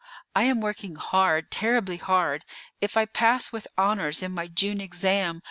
I am working hard, terribly hard. If I pass with honors in my June exam.